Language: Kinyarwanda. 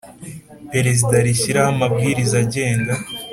Perezida rishyiraho amabwiriza agenga